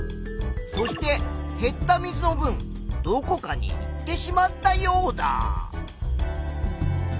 そして減った水のぶんどこかにいってしまったヨウダ。